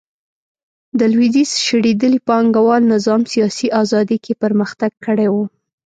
د لوېدیځ شړېدلي پانګوال نظام سیاسي ازادي کې پرمختګ کړی و